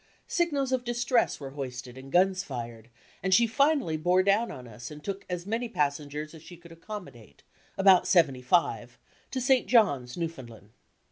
Signals of dis tress were hoisted and guns fired, and she finally bore down on us and took as many passengers as she could accommodate (about seventy five) to St. John's, New SKETCHES OF TRAVEL foundland.